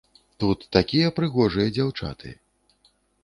Тут такія прыгожыя дзяўчаты.